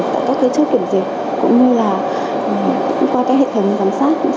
tại các cây chốt kiểm dịch cũng như là qua các hệ thống giám sát cũng sẽ điều chỉnh